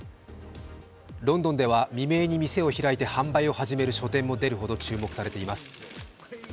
ロンドンでは未明に店を開いて販売を始める書店も出ています。